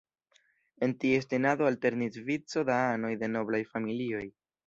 En ties tenado alternis vico da anoj de noblaj familioj.